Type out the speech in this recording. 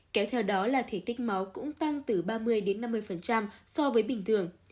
kéo theo đó là thể tích máu cũng tăng từ ba mươi đến năm mươi so với bình thường